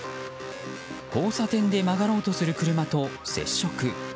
交差点で曲がろうとする車と接触。